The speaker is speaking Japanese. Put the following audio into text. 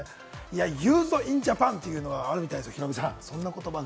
ユーズド・イン・ジャパンというのがあるみたいですよ、ヒロミさん。